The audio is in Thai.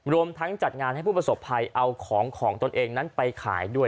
รวมทั้งจัดงานให้ผู้ประสบภัยเอาของของตนเองนั้นไปขายด้วย